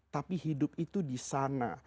tapi hidup itu di sana